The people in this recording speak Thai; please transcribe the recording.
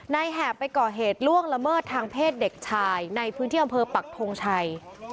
แหบไปก่อเหตุล่วงละเมิดทางเพศเด็กชายในพื้นที่อำเภอปักทงชัย